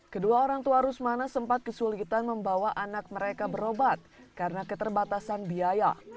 kedua orang tua rusmana sempat kesulitan membawa anak mereka berobat karena keterbatasan biaya